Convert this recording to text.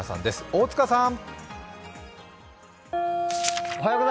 大塚さん！